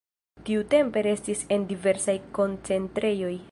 Tiutempe restis en diversaj koncentrejoj.